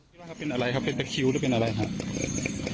คิดว่าครับเป็นอะไรครับเป็นตะคิวหรือเป็นอะไรค่ะ